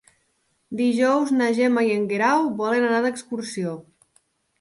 Dijous na Gemma i en Guerau volen anar d'excursió.